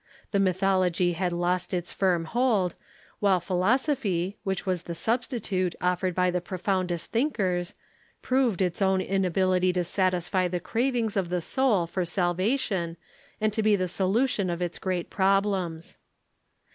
The mythology had lost its firm hold ; while philosophy, which was the substitute offered by the profoundest thinkers, proved its own inability to satisfy the cravings of the soul for salvation, and to be the solution of its great problems.